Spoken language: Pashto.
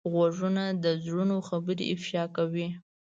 غوږونه د زړونو خبرې افشا کوي